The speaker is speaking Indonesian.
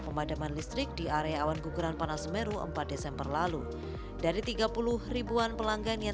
pemadaman listrik di area awan guguran panas meru empat desember lalu dari tiga puluh ribuan pelanggan yang